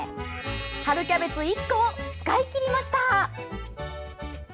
春キャベツ１個を使い切りました。